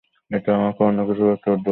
এটা আমাকে অন্যকিছু ভাবতে বাধ্য করবে।